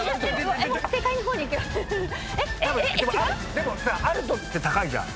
でもアルトって高いじゃん。